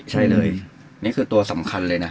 ใช่เลยนี่คือตัวสำคัญเลยนะ